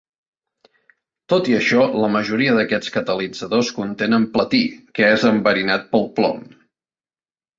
Tot i això la majoria d'aquests catalitzadors contenen platí, que és enverinat pel plom.